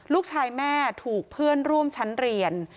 ลูกชายแม่ถูกเพื่อนร่วมชั้นเรียน